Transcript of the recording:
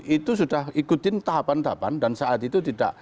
itu sudah ikutin tahapan tahapan dan saat itu tidak